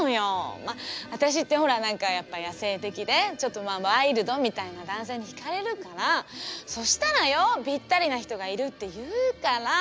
まっ私ってほら何かやっぱ野性的でちょっとワイルドみたいな男性に惹かれるからそしたらよぴったりな人がいるって言うから。